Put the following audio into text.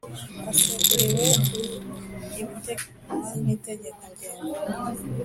Haseguriwe ibiteganywa n Itegeko Ngenga